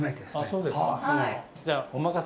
そうですか。